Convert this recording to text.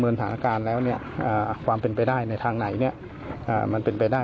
นำรถสว่างมาคอยอำนวยความสะดวกในการค้นหาช่วงกลางคืนด้วย